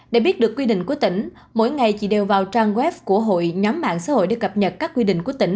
để biết được quy định của tỉnh mỗi ngày chị đều vào trang web của hội nhóm mạng xã hội để cập nhật các quy định của tỉnh